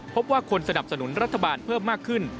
คนสนับสนุนรัฐบาลเพิ่มมากขึ้น